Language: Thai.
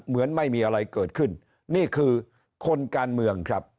เหมือนไม่มีอะไรเกิดขึ้นนี่คือคนการเมืองครับ